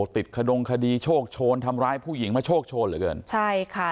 ขดงคดีโชคโชนทำร้ายผู้หญิงมาโชคโชนเหลือเกินใช่ค่ะ